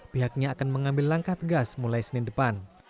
pihaknya akan mengambil langkah tegas mulai senin depan